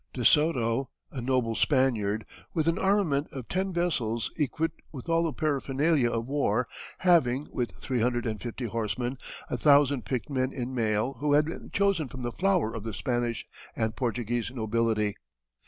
De Soto, a noble Spaniard, with an armament of ten vessels equipped with all the paraphernalia of war, having, with three hundred and fifty horsemen, a thousand picked men in mail who had been chosen from the flower of the Spanish and Portuguese nobility.